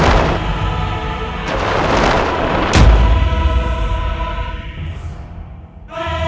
jika anda menikmati kesemua pengalaman